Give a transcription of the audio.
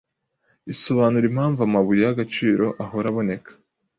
isobanura impamvu amabuye y'agaciro ahora aboneka